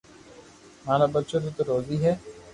ماري ٻچو ري تو روزي ھي